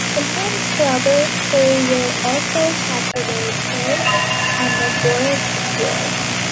Sometimes, however, they will also capture their prey on the forest floor.